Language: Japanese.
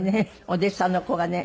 お弟子さんの子がね